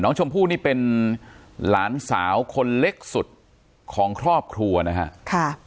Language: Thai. น้องชมพู่นี่เป็นหลานสาวคนเล็กสุดของครอบครัวนะฮะค่ะ